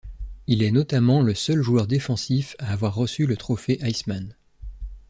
Il est notamment le seul joueur défensif à avoir reçu le trophée Heisman.